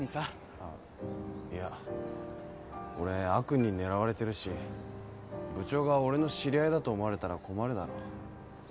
あっいや俺悪に狙われてるし部長が俺の知り合いだと思われたら困るだろ。